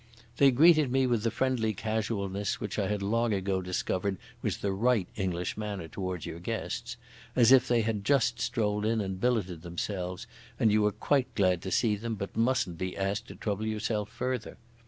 They greeted me with the friendly casualness which I had long ago discovered was the right English manner towards your guests; as if they had just strolled in and billeted themselves, and you were quite glad to see them but mustn't be asked to trouble yourself further.